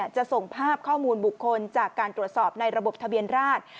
จะส่งภาพข้อมูลบุคคลจากการตรวจสอบในระบบทะเบียนราช